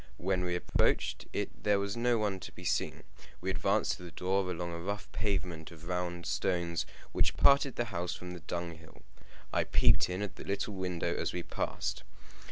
When we approached it there was no one to be seen. We advanced to the door along a rough pavement of round stones, which parted the house from the dunghill. I peeped in at the little window as we passed.